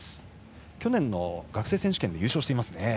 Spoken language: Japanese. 去年の学生選手権で優勝していますね。